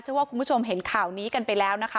ว่าคุณผู้ชมเห็นข่าวนี้กันไปแล้วนะคะ